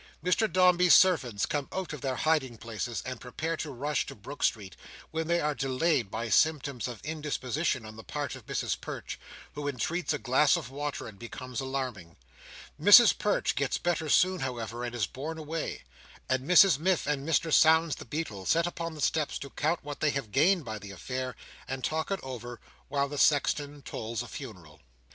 Mr Dombey's servants come out of their hiding places, and prepare to rush to Brook Street, when they are delayed by symptoms of indisposition on the part of Mrs Perch, who entreats a glass of water, and becomes alarming; Mrs Perch gets better soon, however, and is borne away; and Mrs Miff, and Mr Sownds the Beadle, sit upon the steps to count what they have gained by the affair, and talk it over, while the sexton tolls a funeral.